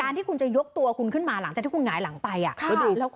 ที่คุณจะยกตัวคุณขึ้นมาหลังจากที่คุณหงายหลังไปอ่ะ